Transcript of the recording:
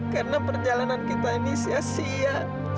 karena perjalanan kita ini sia sia